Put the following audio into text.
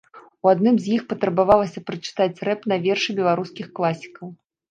У адным з іх патрабавалася прачытаць рэп на вершы беларускіх класікаў.